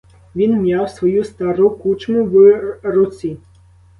Він м'яв свою стару кучму в руці.